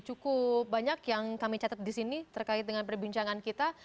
cukup banyak yang kami catat di sini terkait dengan perbincangan kita